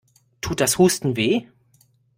Tut das Husten weh?